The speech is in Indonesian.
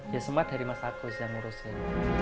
ya semua dari mas agus yang ngurusin